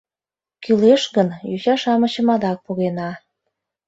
Кӱлеш гын, йоча-шамычым адак погена.